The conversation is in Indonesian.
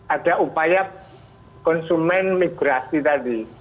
ada upaya konsumen migrasi tadi